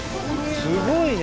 すごいね。